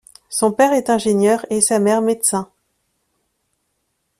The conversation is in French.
Son père est ingénieur et sa mère médecin.